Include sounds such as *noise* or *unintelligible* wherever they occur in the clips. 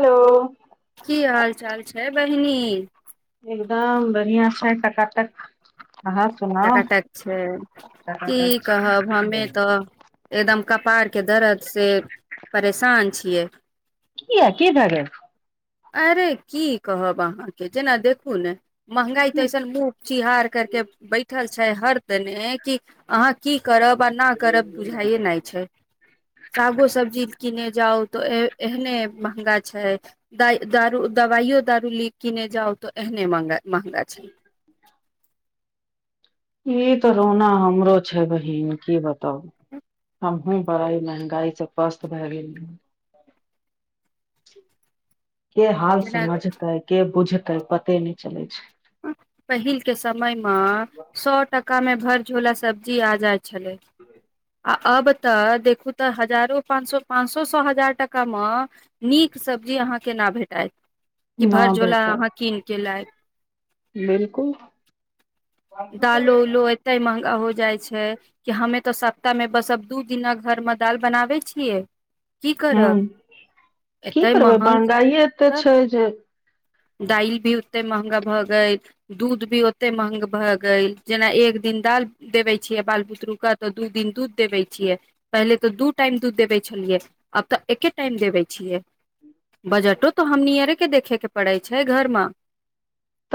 Hello की हाल चाल छै बहिनी। एकदम बढ़आँ छै टकाटक। अहाँ सुनाउ टकाटक छै, की टकाटक छै कहब हमे तऽ एकदम कपार के दरद से परेशान छियै। किय की भऽ गेल। अरे की कहब अहाँके जेना देखू ने महंगाई तऽ ऐसन मुह चिहार कर के बैठल छै हर देने कि अहाँ की करब आ ना करब बुझाइए नय छै। सागो सब्जी कीने जाउ तऽ एहने महंगा छै। द दारू दवाइयो दारू लि किने जाउ तो एहने म महंगा छै। ई तो रोना हमरो छै बहिन की बताउ। *inaudible* हमहुँ बड़ा ई महंगाई से पस्त भए गेलुं। के हाल जेना समझतै के बुझतै पते नय चलै छै पहिल के समय मे सए टका मे भर् झोला सब्जी आ जाय छलल आ अब तऽ देखू तऽ हजारो पाच पांचो सए हजार टका म नीक सब्जी अहाँ केना भेटत कि न भर झोला बेटा अहाँ कीन के लायब बिलकुल दालो उलो एते महगा हो जाइ छै कि हमे तऽ सब खु्ता मे बसब दू दिनक घर मे दालि बनाबै छियै की हूं करब की एते करबै महग महंगाइए एते छै जे दालल भी ओते महंगा भए गेल दूध भी ओते महंग भ गा जेना एक दिन दालि देबे छियै बाल बुतरु के तऽ दू दिन दूध देवे छियै पहिले तऽ दू टाइम दूध देबे छलियै आब तऽ एके टाइम देबे छिय बजटो तऽ हमनीयरे के देखे के पड़ै छै घर मे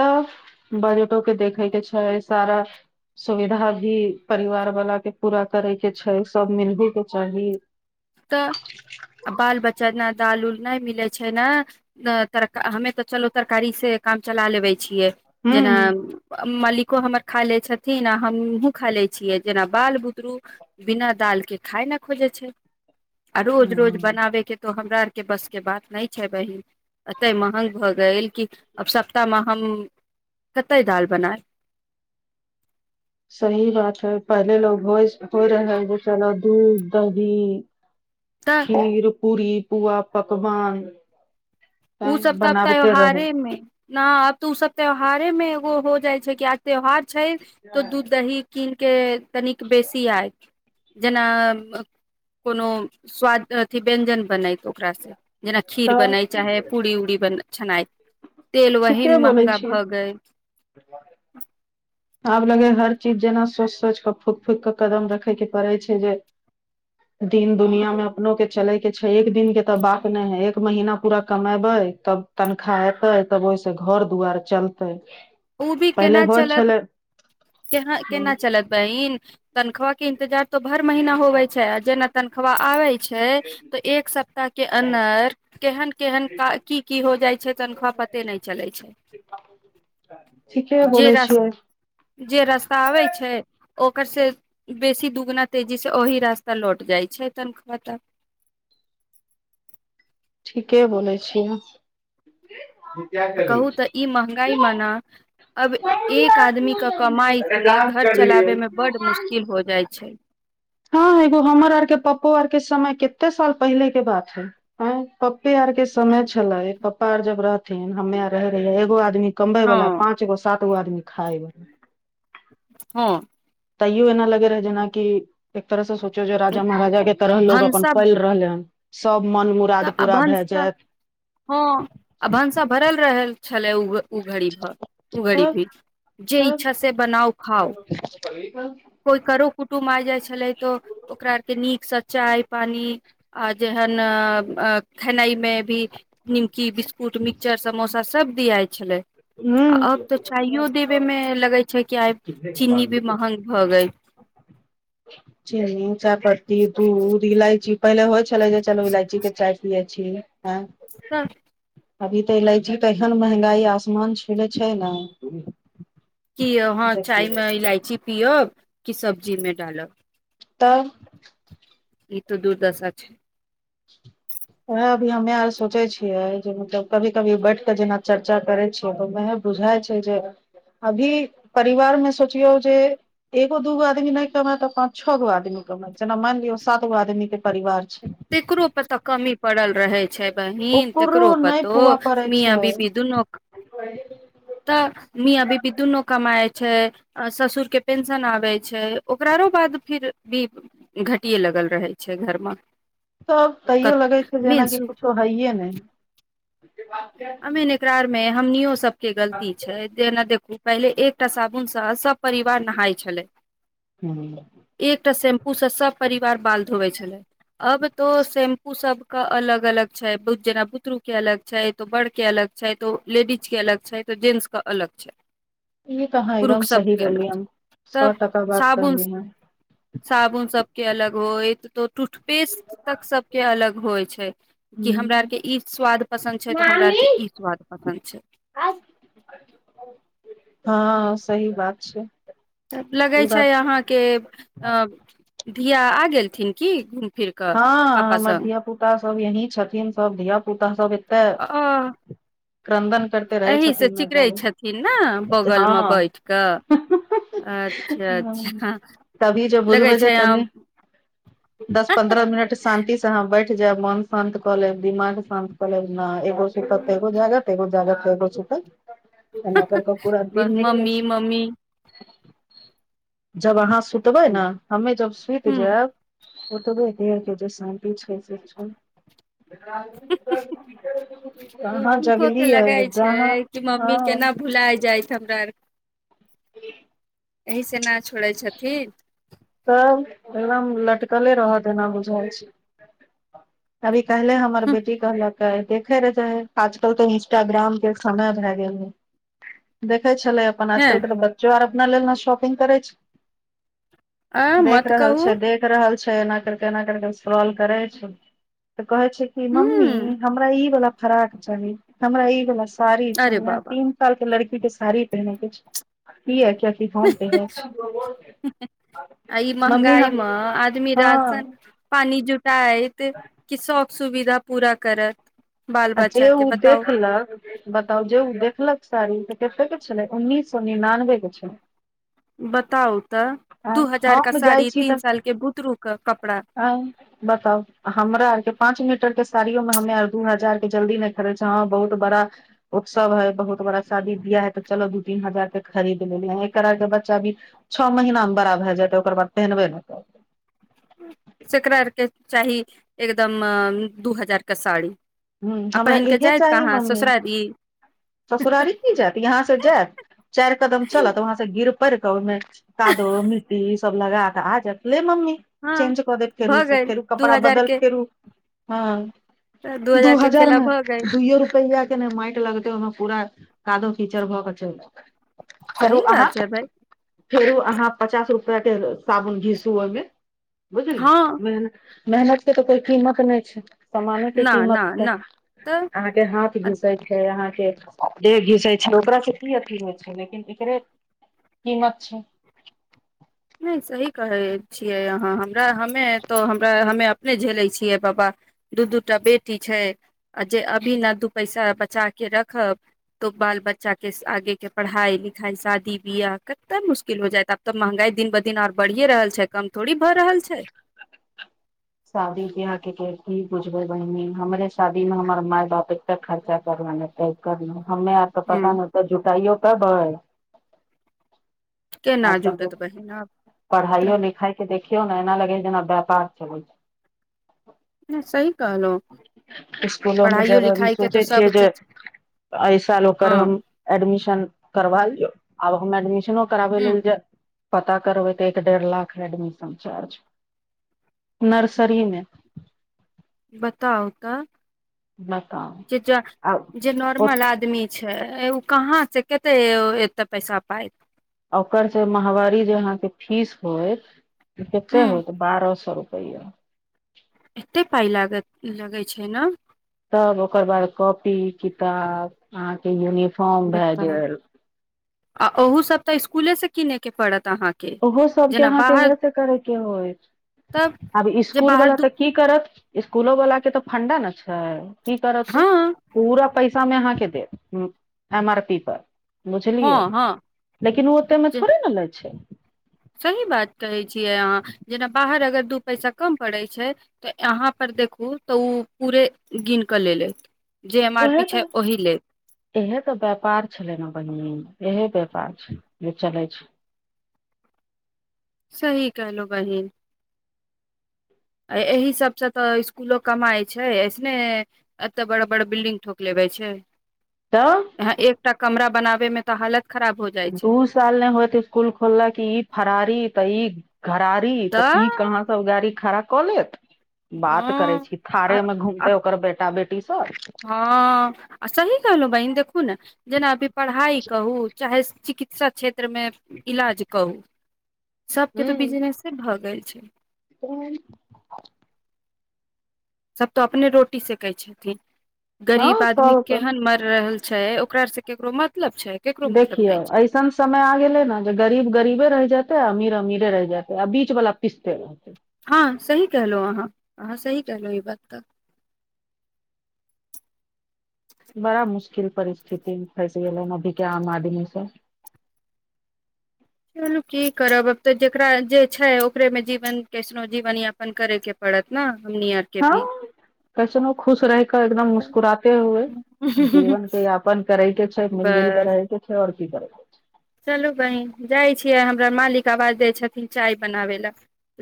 तऽ ब्यटो के देखै के छै सारा। सुविधा भी परिवार वाला के पूरा करे के छै सभ मिलबे के चाही त बाल बच्चाना दाल उल नहि मिलै छै ने तर हमे तऽ चलू तरकारी से काम चला लेबै छिय हूं जेना मालिको हमर खा ले छथिन आ हमहु खा ले छियै जेना बाल बुतरू बिना दाल के खाय नल नै खोजे छै आ रोज रोज हूं बनाबय के तऽ हमरा आर के बसके बात नहि छै बहीन एते महग भऽ गेल कि आब सप्ताह मे हम कते दालि बनाब सही बात है पहिले लोग होई होय रहे है जे चलो दूध दही तऽ खीर पूरी पूआ पकवान। तैं ओ सभ तऽ आब बनाबिते त्यौहारे रहै मे नै आब तऽ ओ सभ त्यौहारे मे एगो हो जाई छै कि आज त्यौहार छै तो दूध दही किन के तनिक बेसी आयत जेना कोनो स्वाद अथि व्यंजन बनाै ओकास से जेना खीर तऽ बनै चाहे पूरी उरी बन छनाई तेल वहन महगा भऽ ग ब। आब लगै हर चीज जेना सोचि सोचि कऽ फूक फूक कऽ कदम रखे के पड़ै छै ज दिन दुनिया मे अपनो के चले के छै एक दिन के तऽ बात नहि है एक महीना पूरा कमेबे तब तन खा एतै तब ओहि सँ घर दुआर चलतै ओ भी पहिले केना होइ चलत छलै के हूँ, केना चलत बहिन तनखाह के इंतजार तो भर महीना होवे छै जेना तनख वाह आबे छै। छै तऽ एक सप्ताह के अन्दर। केहन केहन कि कि हो जाई छै तनखाह पते नहि चलै छै ठीक जे रास्ता अबै छै ओकर से बेसी दुगुना तेजी से ओहि रास्ता लौट जाइत छै तनख्वाह तऽ ठीके बोलै छियै। कहू तऽ ई महगाई मना अब एक आदमी के कमाई से घर चलाबे मे बड मुश्किल हो जाई छै ह एगो हमर आर के पप्पो आर के समय कते साल पहिले के बात है। आ पाप्पे आर के समय छलै पप्पा आर जब रहथिन हमे आर रहे रहियै एगो आदमी कमबे हँ वाला पाँच गो सात गो आदमी खााय वा ह तैयो एना लगे रहै जेनाक एक तरह से सोचो जे राजा महाराजा के तरह लोग अपन भनसा पैल रहले हन सभ मन तऽ मुराद आ पूरा भए भनसा जायत हँ अभनसा भरल रहल छलै ओ घड़ी भर ओ घड़ी तब भीड़ जे तब इच्छा से बनाउ खाओ। कोइ करो कुटुम आबि जाई छलै तऽ ओकरा आतेक नीक सँ चाय पानि आ जेहन आ खेनाई म भी निमकि बिस्कुट मिक्सचर समोसा सभ दियाय छले आ हूँ अब तऽ चायो देबे मे लगे छै कि आइ चीनी भी महंग भऽ गयल चीनी चायपत्ती दूध इलायची पहिने होइ छले जे चलू इलायची के चाय पिये छिए हँ *inaudible* अभी तऽ इलायची तऽ एहन महंगाई आसमान छूले छै न कियो हाँ चायमे इलायची पियब कि सब्जी मे डालब तब ई त दुर्दशा छै वएह अभी हमे आर सोचे छियै जे मतलब कभी कभी बैठ के जेना चर्चा करे छियै त वएह बुझाय छै जे अभी परिवार मे सोचियौ जे एगो दूगो आदमी नए कमाय तऽ पाँच छओ गो आदमी कमेत जेना मान लियौ सातगो आदमी के परिवार छै तेकरो पर तऽ कमी पड़ल रहे छय बहिन ओकरो तेकरो नहि पुआ पतोह पड़ै मिया छै बीबी दूनो *inaudible* तऽ मिया बीबी दुनू कमाय छै आ ससुर के पेंशन आबे छै ओकररो बाद फिर भी घटिये लगल रहै छै घरम तब तैयो लगै छै जेनाकि सु किछो हइए नै है अमेन एकरा आर मे हमनियो सब के गलती छै जेना देखू पहिले एकटा साबुन स सब परिवार नहाय छलै हऽ एकटा शैम्पू स सब परिवार बाल धोवै छलै अब तो शैम्पू सब क अलग अलग छै बूच जेना बुतरू के अलग छै तो बड़ के अलग छै तो लेडीज के अलग छै तो जेन्स क अलग छै ई तऽ अहाँ पुरुख एकदम सही सबके बोललियै अलग छै हन सौ तब टका बात साबुन कहली साबुन सबके अलग होएईत टूथपेस्ट पसन्दक सब के अलग होइ छै कि हमरा हन आर के इ स्वाद पसन्द छै तऽ हमरा आर के ई स्वाद पर *unintelligible* हँ सही बात छै तब लगे ई छै बात अहाँके अ धिया आ गेलथिन की घूम फिर कऽ हँ पापा हमर संग धिया पुता सब यहीं छथिन सब धिया पुता सब अ *unintelligible* करते रहै एीसँ छथिन न चिकरै जब छथिन न बगलमे हँ बैठ कऽ अच्छा अच्छा तभी जे लगै बुझबै जे छै आम तनी दस पन्द्रह पन्द्रह मिनट शांति स अहाँ बैठ जायब मुन शान्त कऽ लेब दिमाग शान्त कऽ लेब ना एगो सुत्त्त एगो जागत एगो जागत एगो सुत्तल एना कर कऽ पूरा बस दिन निकलै मम्मी मम्मी छै जब अहाँ सुतबै न हमे जब सुइत ह जेयब *inaudible* थोरे देर के जे शान्ति छै से छै *inaudible* कहाँ हुनको जगली के यै लगै जाँ छै हा कि मम्मी केना भुलाय जायत हमरा आर के *inaudible* एहि से ना छोड़ै छथिन तब एकदम लटकले रहत एना बुझाय छै अभी केहले हमर बेटी कहलक देखे रह जा है आजकल त इंस्टाग्राम के समय भए गेल हन देखै छलै अपन ह आजकल के त बच्चो आर अपना लेल ने शॉपिंग करै छै आ देख मत रहल कहू छै देख रहल छै एना करि क एना करि क अस्करोल करै छै तऽ कहे छै कि ह मम्मी हमरा ई वाला फराक चाही हमरा ई वाला साड़ी अरे चाही बाबा तीन साल के लड़की के साड़ी पहने के छै किया कियेकि की हम कहय छी हु हू आ ई मम्मी महंगाई हम मे आदमी राशन हँ पानी जुट शायत की शौख सुविधा पूरा करत बाल आ जे बच्चा के ऊ बताउ देखलक बताउ जे ऊ देखलक साड़ी तऽ कते के छलै उन्नीस सए निनानबे के छलै बताउ त दू आंय हजार का हम साड़ी तीन साल के भूतरू क कपड़ा आँय बताउ हमरा आर के पाँच मीटर के साड़ियो मे हमे आ दू हजार के जल्दी नहि खरीदे छै आहँ बहुत बड़ा उत्सव है बहुत बड़ा शादी बियाह है त चलो दू तीन हजार के खरीद लेली ह एकर आर के बच्चा भी छ महीना मे बड़ा भए जातै ओकर बाद पेनहबे ने कर से एकरा आर के चाही एकदम दु हजार के साड़ी हूँ आ हमरा पहिन क इहे जाइत चाही कहाँ मम्मी ससुरारी ससुरारी की जायत यहाँ से जायत चारि कदम चलत वहाँ गिर पर क ओमे कादो मिट्टी इ सब लगा क आजत ले मम्मी हँ चेंज कऽ दे फेरू भऽ से गेल फेरू दू कपड़ा हजार बदल के फेरू हँ तऽ दू के हजार खेला मे भऽ गेल दूइयो रुपैआ माटि लगते ओहिमे पूरा कादो कीचड़ भ के चलि फेरु सही अहाँ बात छै भाय फेरु अहाँ पचास रुपआ के साबुन घिसू ओहि मे बुझलि हँ मेन मेहनत के त कोइ कीमत नय छै समा *unintelligible* अहाँ न न न तऽ के के हाथ घीसे छै अहाँ के देह घीसे छै ओकरा से की अथी होइ छै लेकिन एकरे कीमत छै नय सही कहै छियै अहाँ हमरा हमे त हमरा हमे अपने झेलै छियै बाबा दू दू टा बेटी छै आ जे अभी ने दू पैसा बचा के रखब तो बाल बच्चा के आगे के पढ़ाई लिखाई शादी बियाह कते मुश्किल हो जायत आब त महँंगाई दिन ब दिन आर बढ़िेये रहल छै कम थोड़ी भए रहल छै शादी बियाह के की बुझबे बहिनी हमरे शादी में हमर माय बाप एतक खर्चा कए क हमर हमे आर के पता ह नय ऐते जुटाइयो पेबे केना आजकल त जुटत बहिन आब तऽ पढ़ाइो लिखाइ के देखियौ ने एना लगे जेना व्यापार चलैत छै हु सही कहलहु इसकुले मे ज अभी सोचै तऽ सभ छियै जे चीज अइ साल ओकर हँ हम एडमिशन करबायें आब हम एडमिशनो कराबै ह लेल जा पता करबै त एक डेढ़ लाख हय एडमिशन चार्ज नर्सरी मे बताउ तऽ बताउ जे ज आ नॉर्मल आदमी अच्छा ओ कहाँ से कते एते पैसा पाय आ ओकर जे महवारी जे अहाँ के फीस होयत से कते हुं होयत बारह सए रुपया *inaudible* एते पाइ लागत लगै छै ने तब ओकर बाद कॉपी किताब अहाँकेँ यूनिफोर बताऊ आ ओहु सभ तऽ स्कुले से किनै के पड़त अहाँकेँ ओहो सभके अहाँकेँ वएहे से करे के होय तब आब जे स्कूल बाहर वाला दू तऽ कि कि करत इसकुलो वाला के तऽ फंडा ने छै की करत तू हँ पूरा पैसा मे अहाँकेँ देब एम आर पी पर बुझलियै हँ हँ लेकिन ओ ओते मे जे थोड़े ने लै छै सही बात कहे छियै अहाँ जेना बाहर अगर दू पैसा कम पड़ै छै तऽ यहाँ पर देखू तऽ ओ पूरे गिन के लेत जे एम आर उएह पी छै तऽ ओहि ल इहे ते व्यापार छले ने बहिनी मे इहे व्यापार छैल जे चले छै सही कहलो बहिन। एहि सभसँ तऽ स्कूलो कमाई छै अऐसने एतऽ बड़ा बड़ा बिल्डिग ठोक लेबे छै। तऽ यह एकटा कमरा बनावे मे तऽ हालत खराब होत दू साल नहि होय तऽ स्कूल खोलक कि ई फरारी तऽ ई घरारी तऽ कि कहाँ सभ गाड़ी खड़ा कऽ लेत बात करै हँ छी आ थारे मे घुम ते ओकर बेटा बेटी सभ ह आ सही कहलहुँ बहिन देखू ने जेना अभी पढ़ाई कहू चाहे चिकित्सा क्षेत्र मे इलाज करु सभके तो बिजनेस भऽ गेल छै ह सभ तो अपने रोटी सेकै छथिन गरीब हँ आदमी सब अपन केहन मर रहल छै ओकरा से केरो मतलब छै केकरो मतलब देखियौ नहि छै ऐसन। समय आ गेले ने जे गरीब गरीबे रहि जेते आ अमीर अमीरे रहि जेते आ बीच वाला पिस्ते रहते ह सी कहलहु अहाँ सही कहलहु ई बात त बड़ा मुश्किल परिस्थिति मे फसि गेलै अभी के आम आदमी सभ चलू कि करब आब तऽ जेकरा जे छै ओकरे मे जीवन केसनो जीवन यापन करे के पड़त ने हमनी य ह कैसनो खुश रह कऽ एकदम मुस्कुराते हुए जीवन के यापन करैके छै मिलजुल के बस रहैके छै और कि करे चलू बहिन जाई छियै हमरा मालिक आवाज दय छथिन चाय बनाबै लए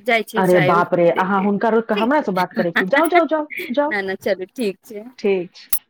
जाई छीय अरे चाय बाप रे अहाँ हुनका रोकि कऽ ठीक हमरासँ बात छै करै छी जाउ जाउ जाउ जाउ नै नहि चलू ठीक छै ठीक छै।